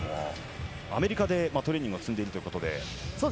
アメリカでトレーニングを積んでるということで。